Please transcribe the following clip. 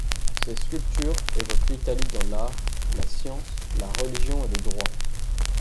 Ces sculptures évoquent l'Italie dans l'art, la science, la religion et le droit.